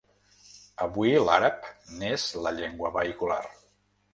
Avui l’àrab n’és la llengua vehicular.